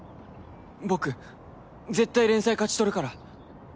僕絶対連載勝ち取るから。